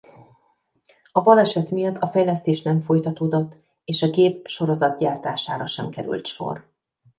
A baleset miatt a fejlesztés nem folytatódott és a gép sorozatgyártására sem került sor.